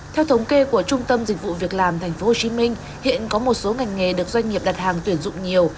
theo thống kê của trung tâm dịch vụ việc làm tp hcm hiện có một số ngành nghề được doanh nghiệp đặt hàng tuyển dụng nhiều